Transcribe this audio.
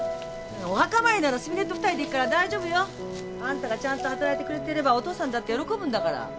お墓参りならすみれと２人で行くから大丈夫よ。あんたがちゃんと働いてくれてればお父さんだって喜ぶんだから。